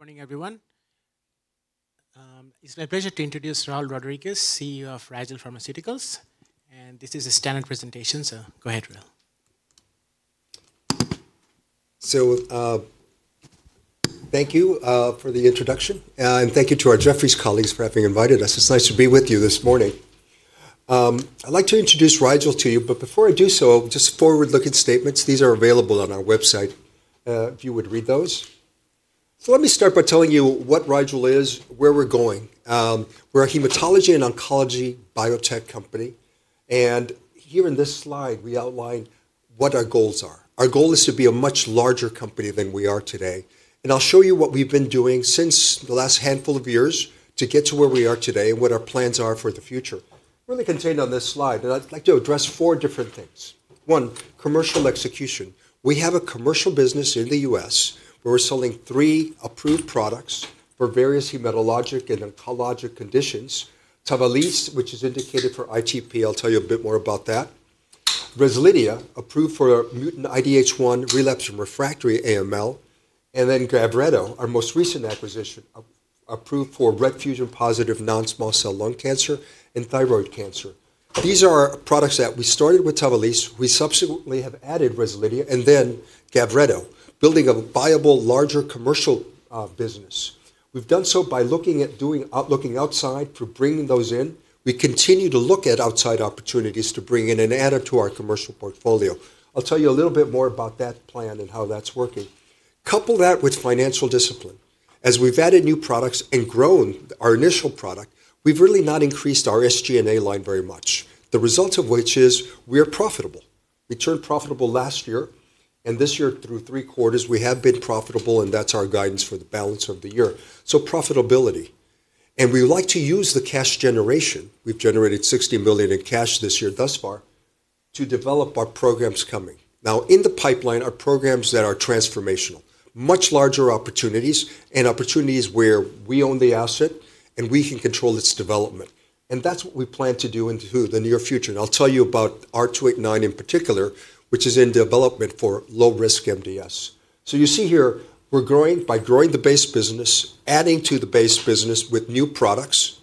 Good morning, everyone. It's my pleasure to introduce Raul Rodriguez, CEO of Rigel Pharmaceuticals. This is a standard presentation, so go ahead, Raul. Thank you for the introduction. Thank you to our Jefferies colleagues for having invited us. It's nice to be with you this morning. I'd like to introduce Rigel to you, but before I do so, just forward-looking statements. These are available on our website. If you would read those. Let me start by telling you what Rigel is, where we're going. We're a hematology and oncology biotech company. Here in this slide, we outline what our goals are. Our goal is to be a much larger company than we are today. I'll show you what we've been doing since the last handful of years to get to where we are today and what our plans are for the future. Really contained on this slide, and I'd like to address four different things. One, commercial execution. We have a commercial business in the U.S. where we're selling three approved products for various hematologic and oncologic conditions: TAVALISSE, which is indicated for ITP. I'll tell you a bit more about that; REZLIDHIA, approved for mutant IDH1 relapsed and refractory AML; and then GAVRETO, our most recent acquisition, approved for RET fusion positive non-small cell lung cancer and thyroid cancer. These are products that we started with TAVALISSE. We subsequently have added REZLIDHIA and then GAVRETO, building a viable, larger commercial business. We've done so by looking outside for bringing those in. We continue to look at outside opportunities to bring in and add it to our commercial portfolio. I'll tell you a little bit more about that plan and how that's working. Couple that with financial discipline. As we've added new products and grown our initial product, we've really not increased our SG&A line very much, the result of which is we are profitable. We turned profitable last year, and this year, through three quarters, we have been profitable, and that's our guidance for the balance of the year. Profitability. We would like to use the cash generation—we've generated $60 million in cash this year thus far—to develop our programs coming. Now, in the pipeline, our programs that are transformational, much larger opportunities, and opportunities where we own the asset and we can control its development. That's what we plan to do into the near future. I'll tell you about R289 in particular, which is in development for low-risk MDS. You see here, we're growing by growing the base business, adding to the base business with new products,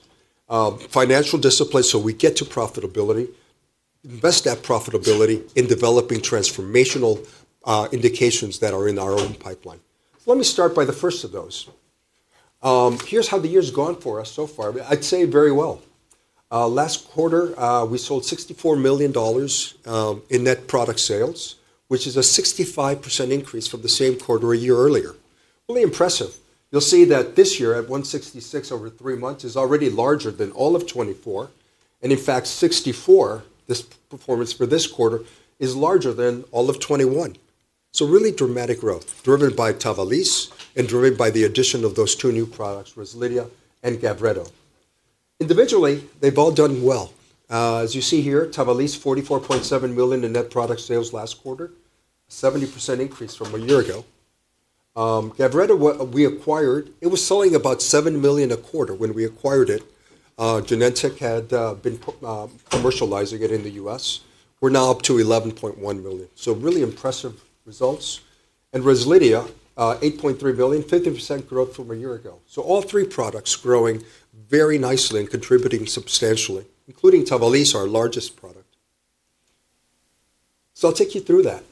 financial discipline so we get to profitability, invest that profitability in developing transformational indications that are in our own pipeline. Let me start by the first of those. Here's how the year's gone for us so far. I'd say very well. Last quarter, we sold $64 million in net product sales, which is a 65% increase from the same quarter a year earlier. Really impressive. You'll see that this year, at $166 million over three months, is already larger than all of 2024. In fact, $64 million, this performance for this quarter, is larger than all of 2021. Really dramatic growth, driven by TAVALISSE and driven by the addition of those two new products, REZLIDHIA and GAVRETO. Individually, they've all done well. As you see here, TAVALISSE, $44.7 million in net product sales last quarter, a 70% increase from a year ago. GAVRETO, we acquired; it was selling about $7 million a quarter when we acquired it. Genentech had been commercializing it in the U.S. We're now up to $11.1 million. Really impressive results. And REZLIDHIA, $8.3 million, 50% growth from a year ago. All three products growing very nicely and contributing substantially, including TAVALISSE, our largest product. I'll take you through that.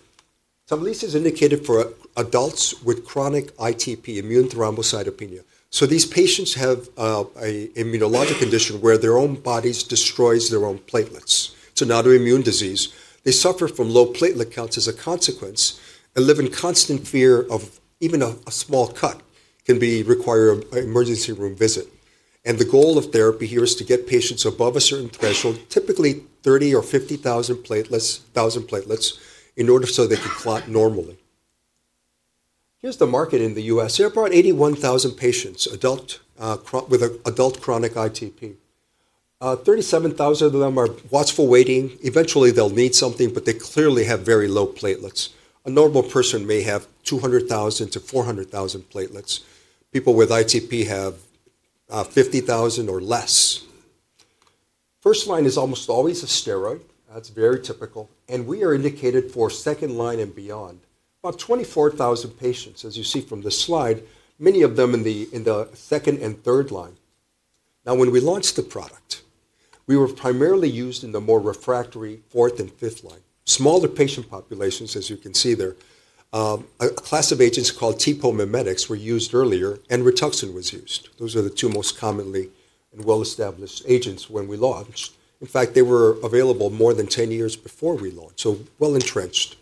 TAVALISSE is indicated for adults with chronic ITP, immune thrombocytopenia. These patients have an immunologic condition where their own bodies destroy their own platelets. It's an autoimmune disease. They suffer from low platelet counts as a consequence and live in constant fear of even a small cut can require an emergency room visit. The goal of therapy here is to get patients above a certain threshold, typically 30,000 or 50,000 platelets, in order so they can clot normally. Here is the market in the U.S. They have about 81,000 patients with adult chronic ITP. 37,000 of them are watchful waiting. Eventually, they will need something, but they clearly have very low platelets. A normal person may have 200,000-400,000 platelets. People with ITP have 50,000 or less. First line is almost always a steroid. That is very typical. We are indicated for second line and beyond, about 24,000 patients, as you see from this slide, many of them in the second and third line. When we launched the product, we were primarily used in the more refractory fourth and fifth line. Smaller patient populations, as you can see there, a class of agents called TPO mimetics were used earlier, and Rituxan was used. Those are the two most commonly and well-established agents when we launched. In fact, they were available more than 10 years before we launched, so well-entrenched.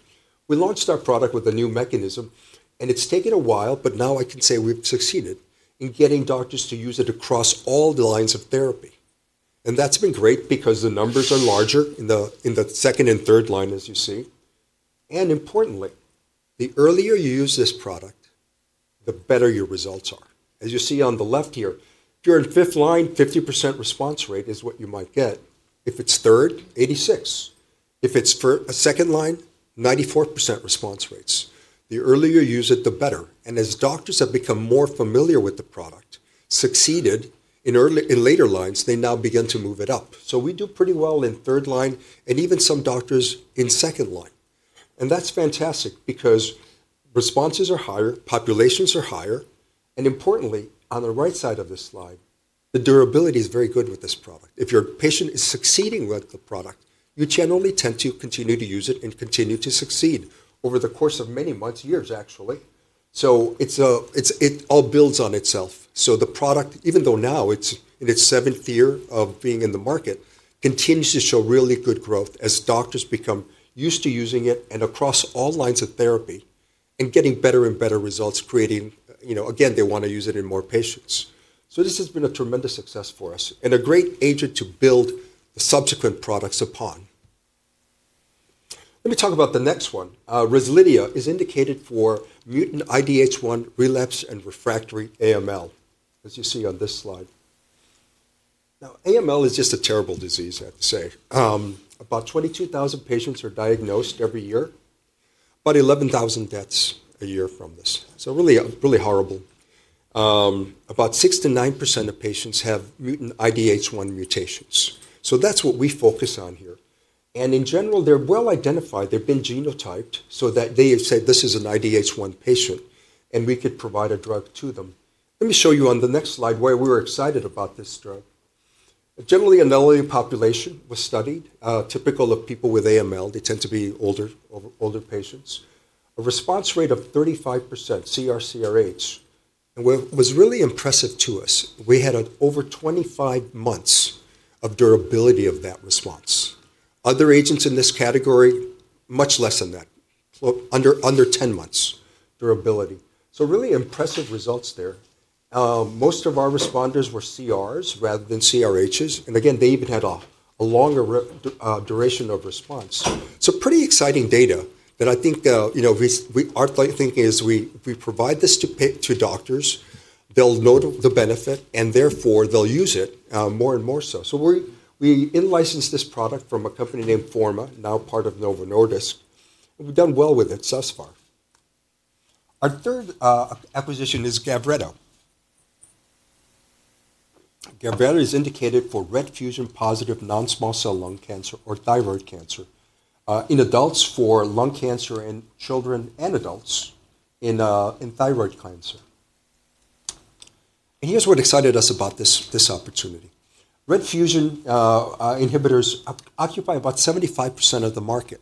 We launched our product with a new mechanism, and it's taken a while, but now I can say we've succeeded in getting doctors to use it across all the lines of therapy. That's been great because the numbers are larger in the second and third line, as you see. Importantly, the earlier you use this product, the better your results are. As you see on the left here, if you're in fifth line, 50% response rate is what you might get. If it's third, 86%. If it's a second line, 94% response rates. The earlier you use it, the better. As doctors have become more familiar with the product, succeeded in later lines, they now begin to move it up. We do pretty well in third line and even some doctors in second line. That is fantastic because responses are higher, populations are higher. Importantly, on the right side of this slide, the durability is very good with this product. If your patient is succeeding with the product, you generally tend to continue to use it and continue to succeed over the course of many months, years, actually. It all builds on itself. The product, even though now it is in its seventh year of being in the market, continues to show really good growth as doctors become used to using it and across all lines of therapy and getting better and better results, creating, you know, again, they want to use it in more patients. This has been a tremendous success for us and a great agent to build the subsequent products upon. Let me talk about the next one. REZLIDHIA is indicated for mutant IDH1 relapsed and refractory AML, as you see on this slide. Now, AML is just a terrible disease, I have to say. About 22,000 patients are diagnosed every year, about 11,000 deaths a year from this. Really, really horrible. About 6-9% of patients have mutant IDH1 mutations. That is what we focus on here. In general, they are well identified. They have been genotyped so that they say, "This is an IDH1 patient," and we could provide a drug to them. Let me show you on the next slide why we were excited about this drug. Generally, an elderly population was studied, typical of people with AML. They tend to be older, older patients. A response rate of 35%, CR/CRh, was really impressive to us. We had over 25 months of durability of that response. Other agents in this category, much less than that, under 10 months durability. Really impressive results there. Most of our responders were CRs rather than CRhs. Again, they even had a longer duration of response. Pretty exciting data that I think, you know, our thinking is we provide this to doctors, they'll note the benefit, and therefore they'll use it more and more so. We licensed this product from a company named Forma, now part of Novo Nordisk. We've done well with it thus far. Our third acquisition is GAVRETO. GAVRETO is indicated for RET fusion positive non-small cell lung cancer or thyroid cancer in adults, for lung cancer in children and adults, and thyroid cancer. Here's what excited us about this opportunity. RET fusion inhibitors occupy about 75% of the market.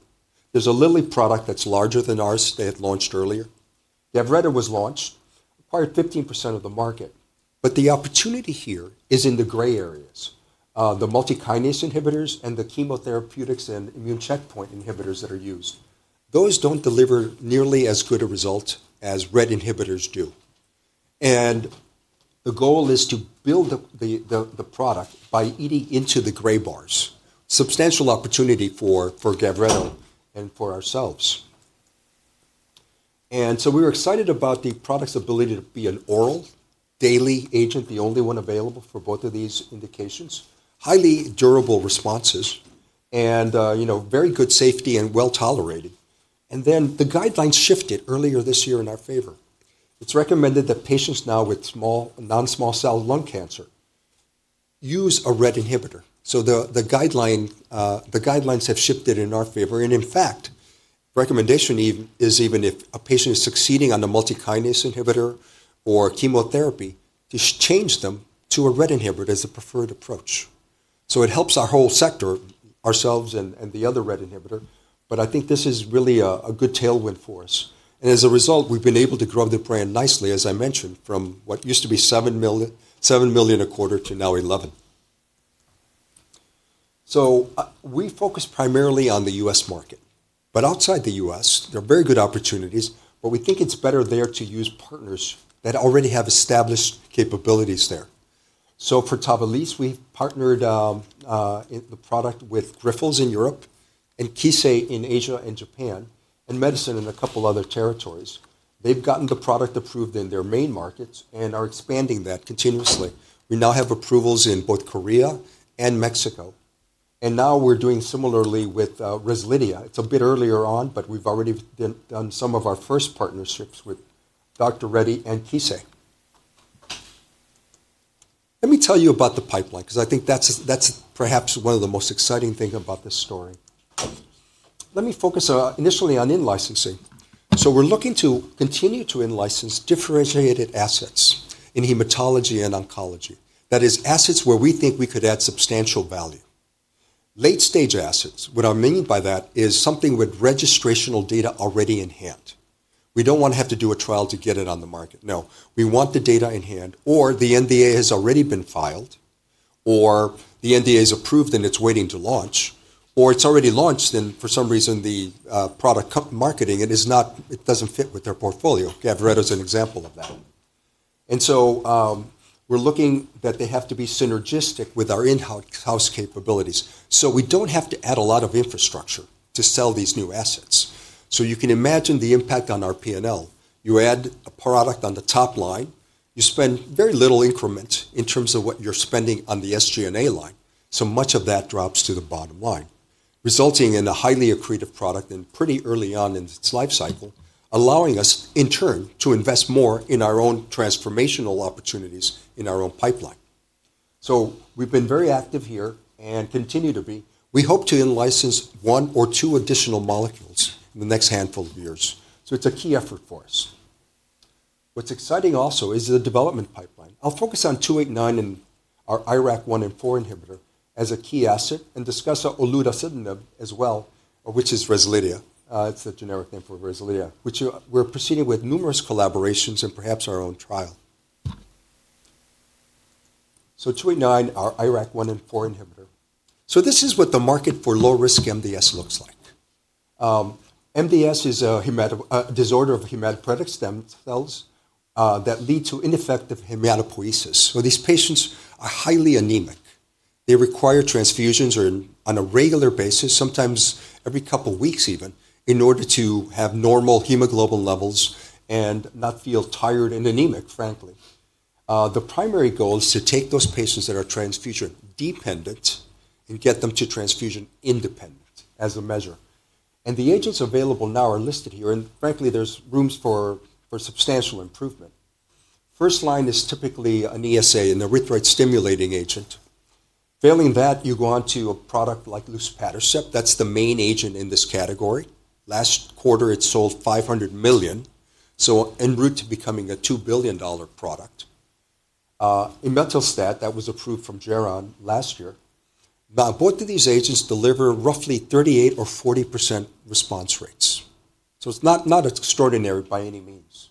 There's a Lilly product that's larger than ours; they had launched earlier. GAVRETO was launched, acquired 15% of the market. The opportunity here is in the gray areas, the multikinase inhibitors and the chemotherapeutics and immune checkpoint inhibitors that are used. Those do not deliver nearly as good a result as RET inhibitors do. The goal is to build the product by eating into the gray bars. Substantial opportunity for GAVRETO and for ourselves. We were excited about the product's ability to be an oral daily agent, the only one available for both of these indications, highly durable responses, and, you know, very good safety and well tolerated. The guidelines shifted earlier this year in our favor. It's recommended that patients now with small, non-small cell lung cancer use a RET inhibitor. The guidelines have shifted in our favor. In fact, recommendation is even if a patient is succeeding on a multikinase inhibitor or chemotherapy, to change them to a RET inhibitor as a preferred approach. It helps our whole sector, ourselves and the other RET inhibitor. I think this is really a good tailwind for us. As a result, we've been able to grow the brand nicely, as I mentioned, from what used to be $7 million a quarter to now $11 million. We focus primarily on the U.S. market. Outside the U.S., there are very good opportunities, but we think it's better there to use partners that already have established capabilities there. For TAVALISSE, we've partnered the product with Grifols in Europe and Kissei in Asia and Japan and Medison in a couple other territories. They've gotten the product approved in their main markets and are expanding that continuously. We now have approvals in both Korea and Mexico. We are now doing similarly with REZLIDHIA. It's a bit earlier on, but we've already done some of our first partnerships with Dr. Reddy's and Kissei. Let me tell you about the pipeline, because I think that's perhaps one of the most exciting things about this story. Let me focus initially on in-licensing. We are looking to continue to in-license differentiated assets in hematology and oncology. That is, assets where we think we could add substantial value. Late-stage assets, what I mean by that is something with registrational data already in hand. We don't want to have to do a trial to get it on the market. No, we want the data in hand, or the NDA has already been filed, or the NDA is approved and it is waiting to launch, or it is already launched and for some reason the product marketing does not fit with their portfolio. GAVRETO is an example of that. We are looking that they have to be synergistic with our in-house capabilities. We do not have to add a lot of infrastructure to sell these new assets. You can imagine the impact on our P&L. You add a product on the top line, you spend very little increment in terms of what you are spending on the SG&A line. Much of that drops to the bottom line, resulting in a highly accretive product and pretty early on in its life cycle, allowing us, in turn, to invest more in our own transformational opportunities in our own pipeline. We've been very active here and continue to be. We hope to in-license one or two additional molecules in the next handful of years. It's a key effort for us. What's exciting also is the development pipeline. I'll focus on 289 and our IRAK1/4 inhibitor as a key asset and discuss olutasidenib as well, which is REZLIDHIA. It's the generic name for REZLIDHIA, which we're proceeding with numerous collaborations and perhaps our own trial. 289, our IRAK1/4 inhibitor. This is what the market for low-risk MDS looks like. MDS is a disorder of hematopoietic stem cells that lead to ineffective hematopoiesis. These patients are highly anemic. They require transfusions on a regular basis, sometimes every couple of weeks even, in order to have normal hemoglobin levels and not feel tired and anemic, frankly. The primary goal is to take those patients that are transfusion dependent and get them to transfusion independent as a measure. The agents available now are listed here, and frankly, there's room for substantial improvement. First line is typically an ESA, an erythroid stimulating agent. Failing that, you go on to a product like Luspatercept. That's the main agent in this category. Last quarter, it sold $500 million, en route to becoming a $2 billion product. Imetelstat, that was approved from Geron last year. Now, both of these agents deliver roughly 38% or 40% response rates. It's not extraordinary by any means.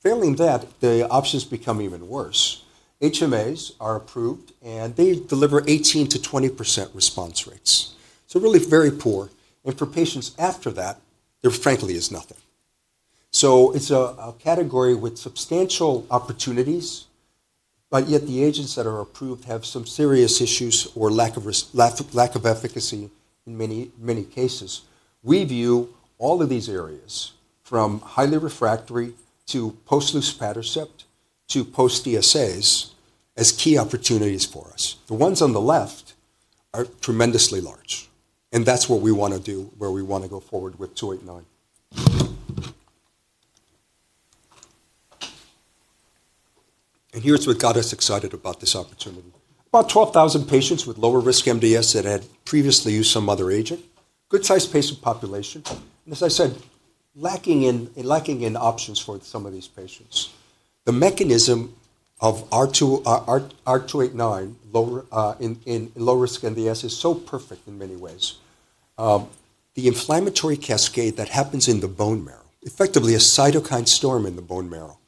Failing that, the options become even worse. HMAs are approved, and they deliver 18%-20% response rates. Really very poor. For patients after that, there frankly is nothing. It's a category with substantial opportunities, but yet the agents that are approved have some serious issues or lack of efficacy in many cases. We view all of these areas, from highly refractory to post-Luspatercept to post-ESAs, as key opportunities for us. The ones on the left are tremendously large, and that's what we want to do, where we want to go forward with 289. Here's what got us excited about this opportunity. About 12,000 patients with lower-risk MDS that had previously used some other agent, good-sized patient population. As I said, lacking in options for some of these patients. The mechanism of R289 in low-risk MDS is so perfect in many ways. The inflammatory cascade that happens in the bone marrow, effectively a cytokine storm in the bone marrow,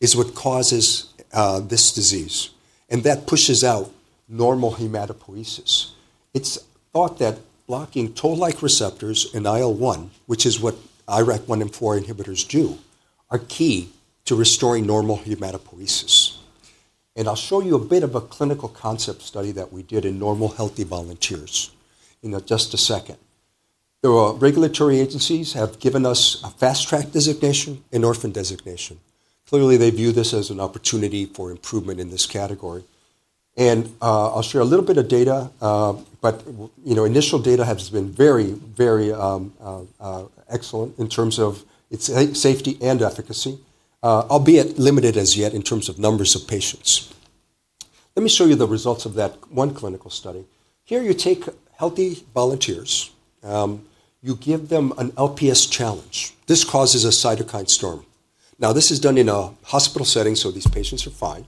is what causes this disease, and that pushes out normal hematopoiesis. It's thought that blocking toll-like receptors and IL-1, which is what IRAK1 and 4 inhibitors do, are key to restoring normal hematopoiesis. I'll show you a bit of a clinical concept study that we did in normal healthy volunteers in just a second. The regulatory agencies have given us a fast-track designation and orphan designation. Clearly, they view this as an opportunity for improvement in this category. I'll share a little bit of data, but, you know, initial data has been very, very excellent in terms of its safety and efficacy, albeit limited as yet in terms of numbers of patients. Let me show you the results of that one clinical study. Here, you take healthy volunteers. You give them an LPS challenge. This causes a cytokine storm. This is done in a hospital setting, so these patients are fine.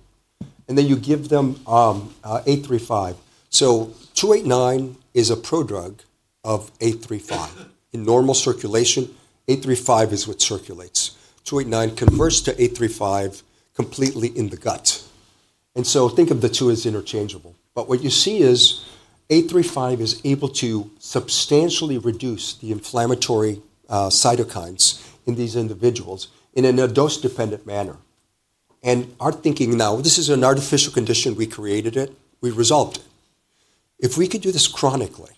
Then you give them R289. R289 is a prodrug of A35. In normal circulation, A35 is what circulates. R289 converts to A35 completely in the gut. Think of the two as interchangeable. What you see is A35 is able to substantially reduce the inflammatory cytokines in these individuals in a dose-dependent manner. Our thinking now, this is an artificial condition, we created it, we resolved it. If we could do this chronically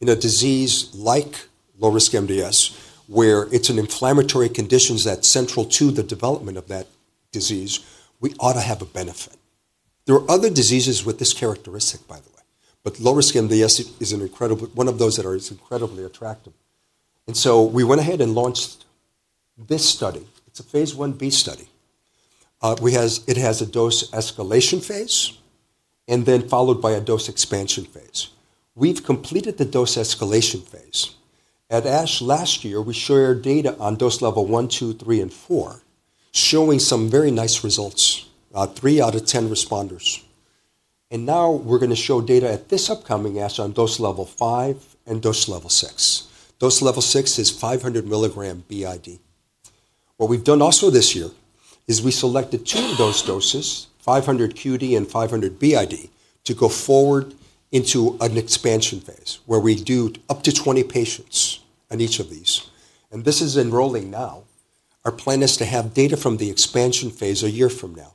in a disease like low-risk MDS, where it is an inflammatory condition that is central to the development of that disease, we ought to have a benefit. There are other diseases with this characteristic, by the way, but low-risk MDS is one of those that is incredibly attractive. We went ahead and launched this study. It is a phase 1b study. It has a dose escalation phase and then followed by a dose expansion phase. We've completed the dose escalation phase. At ASH last year, we shared data on dose level 1, 2, 3, and 4, showing some very nice results, about three out of 10 responders. Now we're going to show data at this upcoming ASH on dose level 5 and dose level 6. Dose level 6 is 500 milligrams b.i.d. What we've done also this year is we selected two of those doses, 500 q.d. and 500 b.i.d., to go forward into an expansion phase where we do up to 20 patients on each of these. This is enrolling now. Our plan is to have data from the expansion phase a year from now.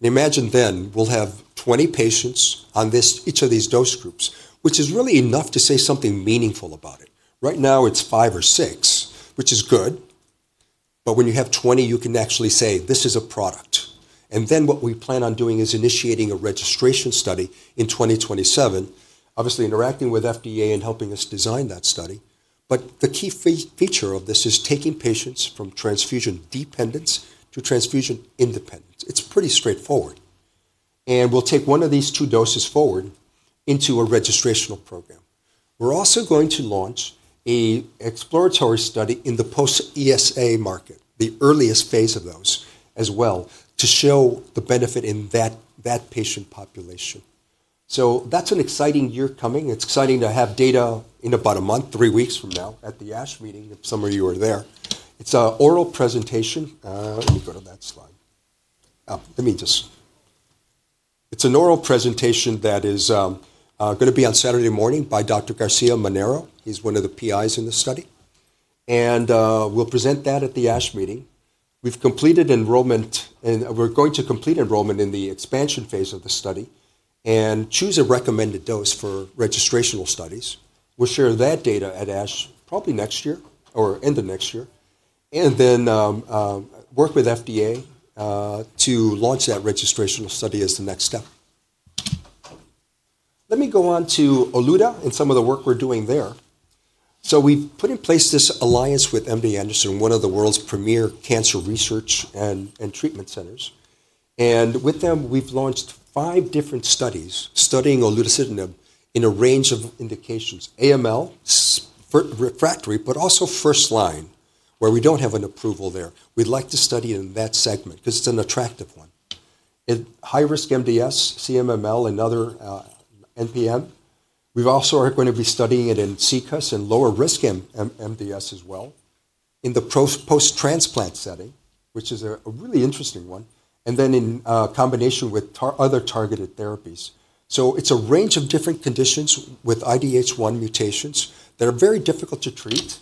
Imagine then we'll have 20 patients on each of these dose groups, which is really enough to say something meaningful about it. Right now it's five or six, which is good. But when you have 20, you can actually say this is a product. What we plan on doing is initiating a registration study in 2027, obviously interacting with FDA and helping us design that study. The key feature of this is taking patients from transfusion dependence to transfusion independence. It is pretty straightforward. We will take one of these two doses forward into a registrational program. We are also going to launch an exploratory study in the post-ESA market, the earliest phase of those as well, to show the benefit in that patient population. That is an exciting year coming. It is exciting to have data in about a month, three weeks from now at the ASH meeting. Some of you are there. It is an oral presentation. Let me go to that slide. Let me just, it is an oral presentation that is going to be on Saturday morning by Dr. Garcia-Manero. He's one of the PIs in the study. We'll present that at the ASH meeting. We've completed enrollment, and we're going to complete enrollment in the expansion phase of the study and choose a recommended dose for registrational studies. We'll share that data at ASH probably next year or end of next year, and then work with FDA to launch that registrational study as the next step. Let me go on to Olutasidenib and some of the work we're doing there. We've put in place this alliance with MD Anderson, one of the world's premier cancer research and treatment centers. With them, we've launched five different studies studying Olutasidenib in a range of indications, AML, refractory, but also first line, where we don't have an approval there. We'd like to study in that segment because it's an attractive one. In high-risk MDS, CMML, and other NPM, we also are going to be studying it in CCUS and lower-risk MDS as well in the post-transplant setting, which is a really interesting one, and then in combination with other targeted therapies. It is a range of different conditions with IDH1 mutations that are very difficult to treat.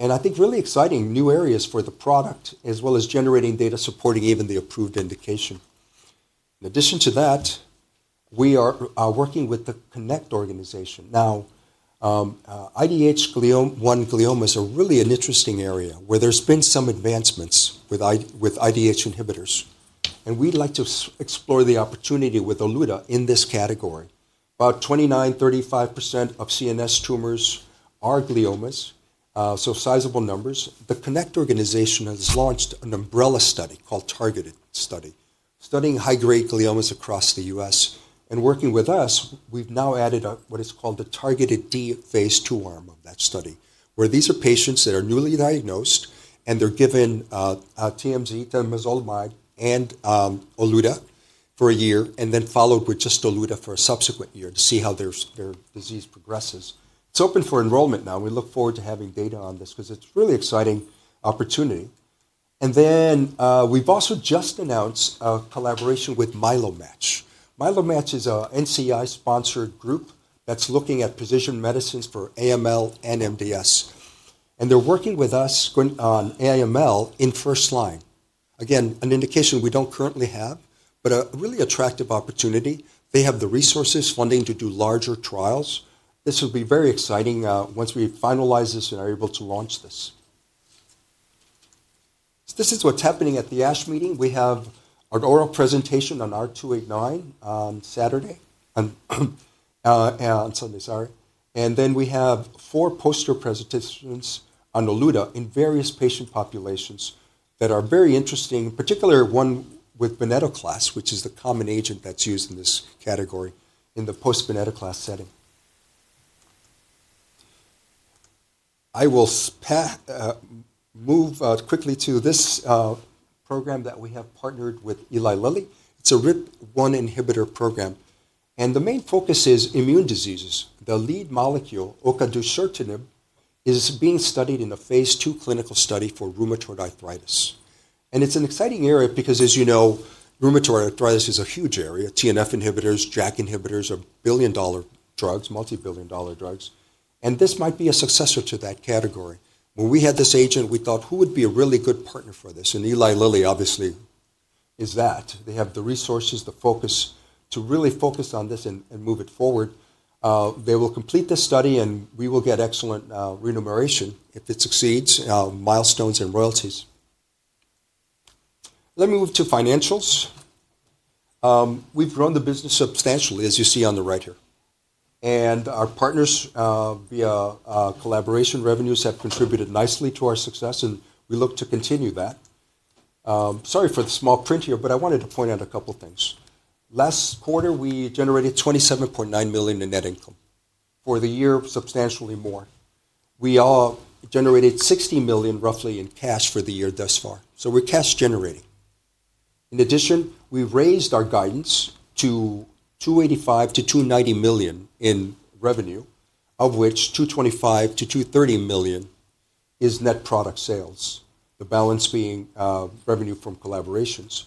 I think really exciting new areas for the product, as well as generating data supporting even the approved indication. In addition to that, we are working with the Connect organization. Now, IDH1 gliomas are really an interesting area where there have been some advancements with IDH inhibitors. We'd like to explore the opportunity with Olutasidenib in this category. About 29-35% of CNS tumors are gliomas, so sizable numbers. The Connect organization has launched an umbrella study called Targeted Study, studying high-grade gliomas across the U.S. Working with us, we've now added what is called the Targeted D phase two arm of that study, where these are patients that are newly diagnosed and they're given TMZ, Temozolomide, and Olutasidenib for a year, and then followed with just Olutasidenib for a subsequent year to see how their disease progresses. It's open for enrollment now. We look forward to having data on this because it's a really exciting opportunity. We've also just announced a collaboration with MyeloMatch. MyeloMatch is an NCI-sponsored group that's looking at precision medicines for AML and MDS. They're working with us on AML in first line, again, an indication we don't currently have, but a really attractive opportunity. They have the resources and funding to do larger trials. This will be very exciting once we finalize this and are able to launch this. This is what's happening at the ASH meeting. We have an oral presentation on R289 on Sunday, sorry. Then we have four poster presentations on Olutasidenib in various patient populations that are very interesting, particularly one with Venetoclax, which is the common agent that's used in this category in the post-Venetoclax setting. I will move quickly to this program that we have partnered with Eli Lilly. It's a RIP1 inhibitor program. The main focus is immune diseases. The lead molecule, Ocadusertinib, is being studied in a phase two clinical study for rheumatoid arthritis. It's an exciting area because, as you know, rheumatoid arthritis is a huge area. TNF inhibitors, JAK inhibitors are billion-dollar drugs, multi-billion-dollar drugs. This might be a successor to that category. When we had this agent, we thought, who would be a really good partner for this? Eli Lilly obviously is that. They have the resources, the focus to really focus on this and move it forward. They will complete this study, and we will get excellent remuneration if it succeeds, milestones and royalties. Let me move to financials. We've grown the business substantially, as you see on the right here. And our partners, via collaboration revenues, have contributed nicely to our success, and we look to continue that. Sorry for the small print here, but I wanted to point out a couple of things. Last quarter, we generated $27.9 million in net income for the year, substantially more. We generated $60 million, roughly, in cash for the year thus far. We are cash generating. In addition, we've raised our guidance to $285 million-$290 million in revenue, of which $225 million-$230 million is net product sales, the balance being revenue from collaborations.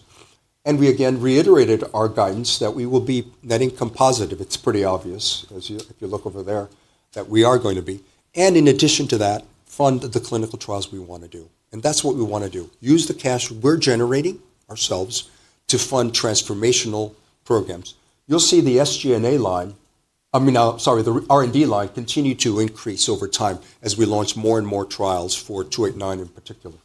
We, again, reiterated our guidance that we will be net income positive. It's pretty obvious, if you look over there, that we are going to be. In addition to that, fund the clinical trials we want to do. That's what we want to do. Use the cash we're generating ourselves to fund transformational programs. You'll see the SG&A line, I mean, sorry, the R&D line continue to increase over time as we launch more and more trials for 289 in particular.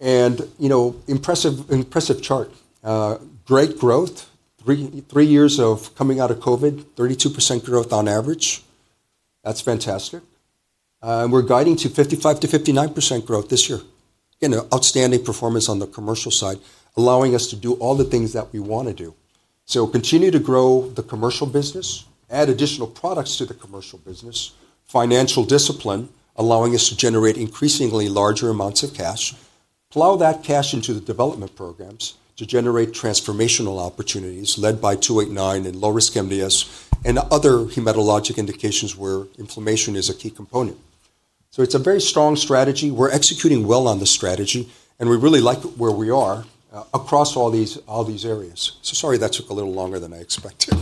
You know, impressive chart. Great growth. Three years of coming out of COVID, 32% growth on average. That's fantastic. We're guiding to 55-59% growth this year. Again, outstanding performance on the commercial side, allowing us to do all the things that we want to do. Continue to grow the commercial business, add additional products to the commercial business, financial discipline, allowing us to generate increasingly larger amounts of cash, plow that cash into the development programs to generate transformational opportunities led by 289 and low-risk MDS and other hematologic indications where inflammation is a key component. It is a very strong strategy. We are executing well on the strategy, and we really like where we are across all these areas. Sorry, that took a little longer than I expected.